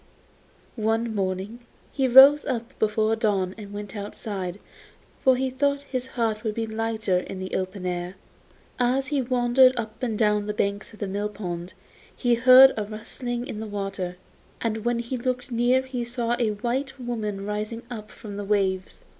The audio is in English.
One morning he rose up before dawn and went outside, for he thought his heart would be lighter in the open air. As he wandered up and down on the banks of the mill pond he heard a rustling in the water, and when he looked near he saw a white woman rising up from the waves.